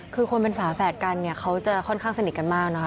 คือคนเป็นฝาแฝดกันเนี่ยเขาจะค่อนข้างสนิทกันมากนะคะ